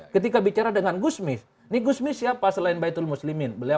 ketika bicara dengan gusmis ini gusmis siapa selain baitul muslimin